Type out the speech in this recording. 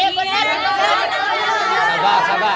gimana nih bang katanya buat semua warga